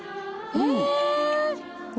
うん。